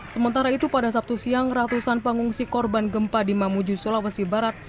sementara itu pada sabtu siang ratusan pengungsi korban gempa di mamuju sulawesi barat